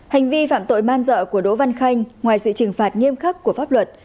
hành vi phạm tội man dợ của đỗ văn khanh ngoài sự trừng phạt nghiêm khắc của pháp luật